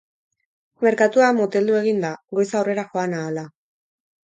Merkatua moteldu egin da, goiza aurrera joan ahala.